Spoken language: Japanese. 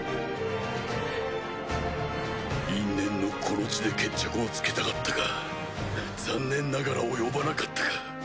因縁のこの地で決着をつけたかったが残念ながら及ばなかったか。